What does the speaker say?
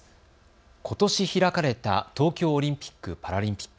ことし開かれた東京オリンピック・パラリンピック。